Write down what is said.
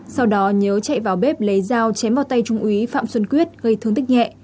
sau đó nhớ chạy vào bếp lấy dao chém vào tay trung úy phạm xuân quyết gây thương tích nhẹ